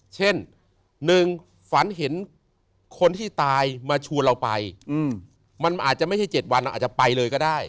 เช่น๑ฝันเห็นคนที่ตายมาชวนเราไปมันอาจจะไม่ใช่๗วันอาจจะไปเลยก็ได้